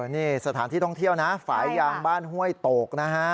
นี่สถานที่ท่องเที่ยวนะฝ่ายยางบ้านห้วยโตกนะฮะ